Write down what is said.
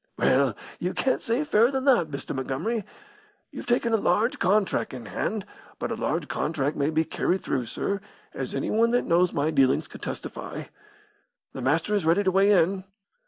"Well, you can't say fairer than that, Mr. Montgomery. You've taken a large contrac' in hand, but a large contrac' may be carried through, sir, as anyone that knows my dealings could testify. The Master is ready to weigh in!"